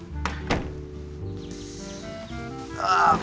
ああ。